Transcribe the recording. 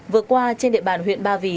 vừa qua trên địa bàn huyện ba vì